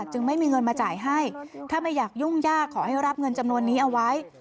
จึงไม่มีเงินมาจ่ายให้ถ้าไม่อยากยุ่งยากขอให้รับเงินจำนวนนี้เอาไว้